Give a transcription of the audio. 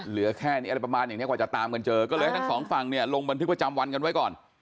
เหลือแค่นี้อะไรประมาณอย่างนี้กว่าจะตามกันเจอก็เลยให้ทั้งสองฝั่งเนี่ยลงบันทึกประจำวันกันไว้ก่อน